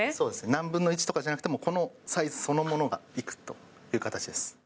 何分の１とかじゃなくて、もう、このサイズそのものが行くという形です。